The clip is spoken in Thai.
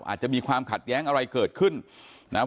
อาจจะมีความขัดแย้งอะไรเกิดขึ้นนะครับ